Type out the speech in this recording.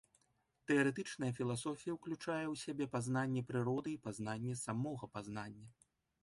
Тэарэтычная філасофія ўключае ў сябе пазнанне прыроды і пазнанне самога пазнання.